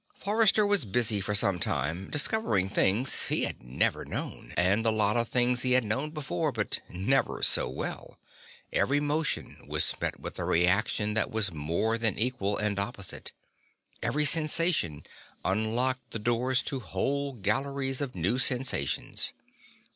Forrester was busy for some time discovering things he had never known, and a lot of things he had known before, but never so well. Every motion was met with a reaction that was more than equal and opposite, every sensation unlocked the doors to whole galleries of new sensations.